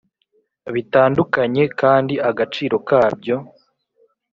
bitandukanye kandi agaciro kabyo